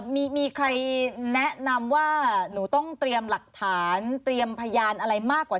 มีใครแนะนำว่าหนูต้องเตรียมหลักฐานเตรียมพยานอะไรมากกว่า